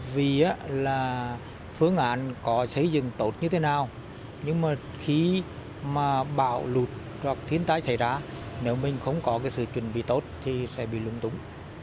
vì là phương án có xây dựng tốt như thế nào nhưng mà khi mà bão lụt hoặc thiên tai xảy ra nếu mình không có cái sự chuẩn bị tốt thì sẽ bị lùng túng